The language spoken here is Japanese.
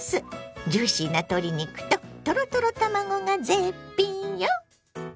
ジューシーな鶏肉とトロトロ卵が絶品よ！